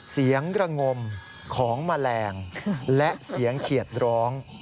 เสียงระงมของแมลงและเสียงเขียดร้อง